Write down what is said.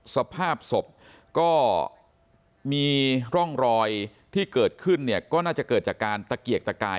สภาพศพก็มีร่องรอยที่เกิดขึ้นเนี่ยก็น่าจะเกิดจากการตะเกียกตะกาย